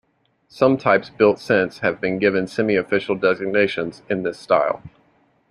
Some types built since have been given semi-official designations in this style.